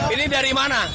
ini dari mana